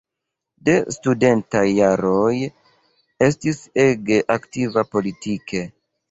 De studentaj jaroj estis ege aktiva politike.